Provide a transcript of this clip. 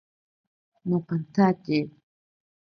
Nopantsatye.